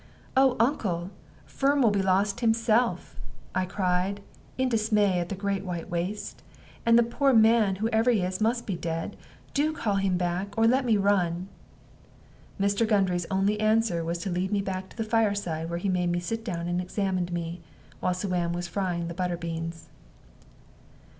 "Oh, uncle, Firm will be lost himself!" I cried, in dismay at the great white waste. "And the poor man, whoever he is, must be dead. Do call him back, or let me run." Mr. Gundry's only answer was to lead me back to the fireside, where he made me sit down, and examined me, while Suan was frying the butter beans.